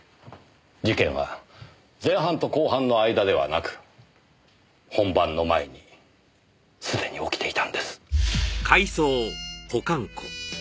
事件は前半と後半の間ではなく本番の前にすでに起きていたんです。